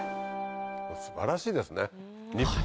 素晴らしいですね。